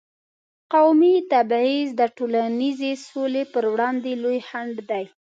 قومي تبعیض د ټولنیزې سولې پر وړاندې لوی خنډ دی.